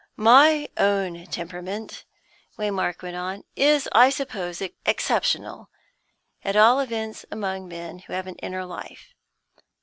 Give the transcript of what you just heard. "My own temperament," Waymark went on, "is, I suppose, exceptional, at all events among men who have an inner life.